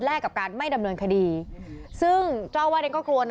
กับการไม่ดำเนินคดีซึ่งเจ้าอาวาสเองก็กลัวนะ